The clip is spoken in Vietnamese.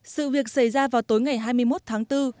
sự việc xảy ra vào tối ngày hai mươi một tháng bốn